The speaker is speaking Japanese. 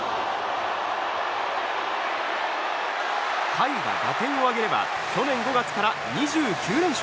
甲斐が打点を挙げれば去年５月から２９連勝！